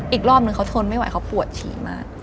อีกรอบนึงเขาทนไม่ไหวเขาปวดฉี่มาก